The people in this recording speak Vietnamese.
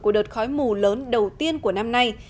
của đợt khói mù lớn đầu tiên của năm nay